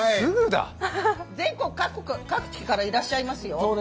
全国各地からいらっしゃいますよ。